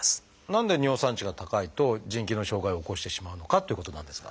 何で尿酸値が高いと腎機能障害を起こしてしまうのかっていうことなんですが。